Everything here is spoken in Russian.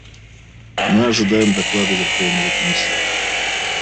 Мы ожидаем доклада Верховного комиссара.